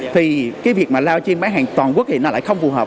thì cái việc mà live stream bán hàng toàn quốc thì nó lại không phù hợp